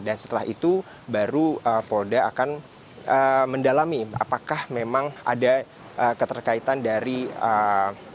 dan setelah itu baru polda akan mendalami apakah memang ada keterkaitan dari oknum tni dalam kasus ini eva